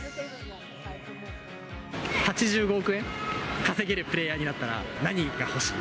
８５億円稼げるプレーヤーになったら何が欲しい？